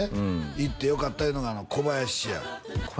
行ってよかったいうのがあの小林や小林？